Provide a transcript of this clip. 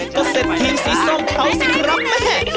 ก็เสร็จทีมสีส้มเขาสิครับแม่